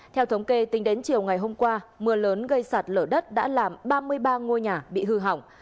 theo thống kê tính đến chiều ngày hôm qua mưa lớn gây sạt lở đất đã làm ba mươi ba ngôi nhà bị hư hỏng